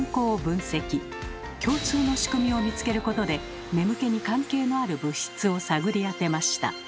共通のしくみを見つけることで眠気に関係のある物質を探り当てました。